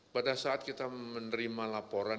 pada saat kita menerima laporan